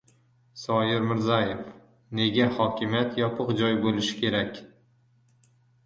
Zoyir Mirzaev: "Nega hokimiyat yopiq joy bo‘lishi kerak?"